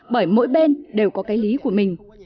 bởi mỗi bên đều có cái lý của mình